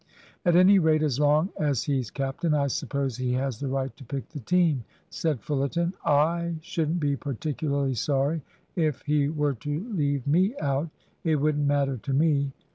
"At any rate, as long as he's captain, I suppose he has the right to pick the team," said Fullerton. "I shouldn't be particularly sorry if he were to leave me out. It wouldn't matter to me."